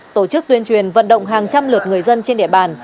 tổ chức tuyên truyền vận động hàng trăm lượt người dân trên địa bàn